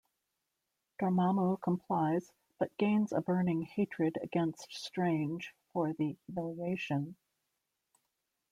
Dormammu complies, but gains a burning hatred against Strange for the humiliation.